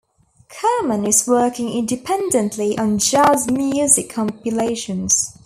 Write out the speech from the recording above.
Kerman is working independently on jazz music compilations.